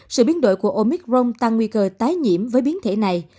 sự biến đổi của omicron tăng nguy cơ tái nhiễm với biến thể này